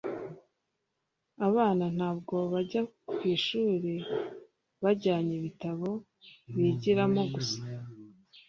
abana ntabwo bajya ku ishuri bajyanye ibitabo bigiramo gusa